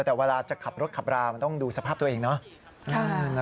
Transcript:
แต่เวลาจะขับรถขับรามันต้องดูสภาพตัวเองเนาะ